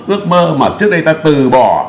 ước mơ mà trước đây ta từ bỏ